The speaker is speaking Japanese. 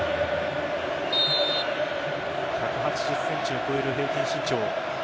１８０ｃｍを超える平均身長。